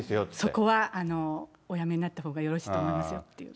そこはおやめになったほうがよろしいと思いますよと。